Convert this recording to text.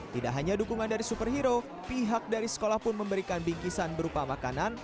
tidak hanya dukungan dari superhero pihak dari sekolah pun memberikan bingkisan berupa makanan